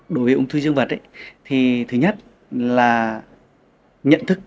đối với ung thư dương vật thứ nhất là nhận thức